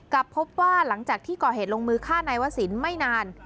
กลับพบว่าหลังจากที่ก่อเหตุลงมือฆ่านายวศิลป์ไม่นาน